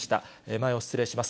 前を失礼します。